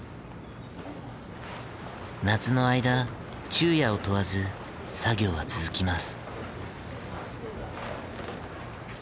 夏の間昼夜を問わず作業は続きます。